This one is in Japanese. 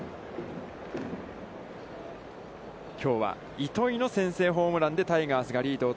きょうは糸井の先制ホームランでタイガースがリードを